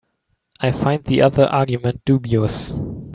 I find the other argument dubious.